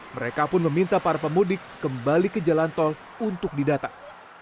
mereka pun meminta para pemudik kembali ke jalan tol untuk didatang